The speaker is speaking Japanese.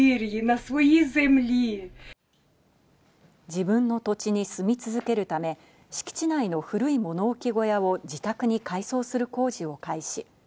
自分の土地に住み続けるため、敷地内の古い物置小屋を自宅に改装する工事を開始。